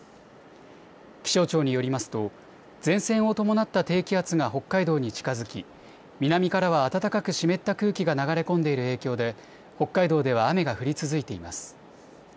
気象庁によりますと前線を伴った低気圧が北海道に近づき南からは暖かく湿った空気が流れ込んでいる影響で北海道では雨が降り続いています。